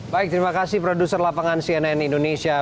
baik terima kasih produser lapangan cnn indonesia